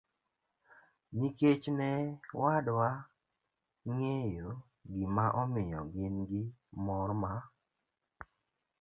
Nikech ne wadwa ng'eyo gima omiyo gin gi mor ma